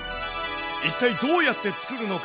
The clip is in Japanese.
一体どうやって作るのか。